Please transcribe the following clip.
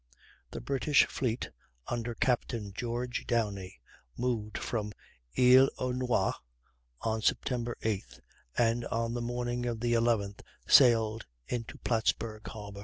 The British fleet, under Captain George Downie, moved from Isle aux Noix on Sept. 8th, and on the morning of the 11th sailed into Plattsburg harbor.